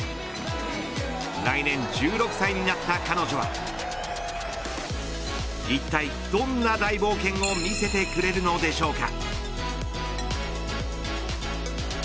来年１６歳になった彼女は一体どんな大冒険を見せてくれるのでしょうか。